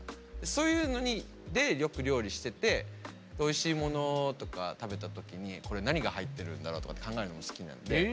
そういうのでよく料理してておいしいものとか食べた時にこれ何が入ってるんだろうとかって考えるの好きになって。